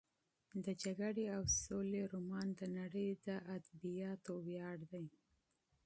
د جګړې او سولې رومان د نړۍ د ادبیاتو ویاړ دی.